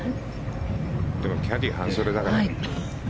でもキャディー半袖だから。